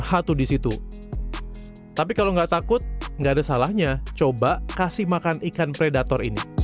hatu disitu tapi kalau nggak takut nggak ada salahnya coba kasih makan ikan predator ini